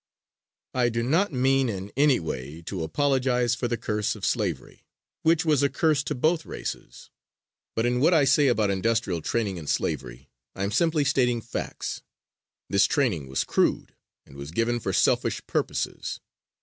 I do not mean in any way to apologize for the curse of slavery, which was a curse to both races, but in what I say about industrial training in slavery I am simply stating facts. This training was crude, and was given for selfish purposes.